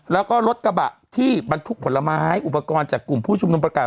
แล้วก็รถกระบะที่บรรทุกผลไม้อุปกรณ์จากกลุ่มผู้ชุมนุมประกาศ